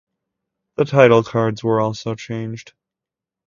The title cards were also changed.